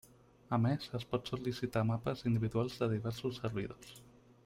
A més, es pot sol·licitar mapes individuals de diversos servidors.